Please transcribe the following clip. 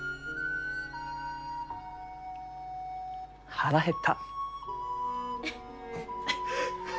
腹減った。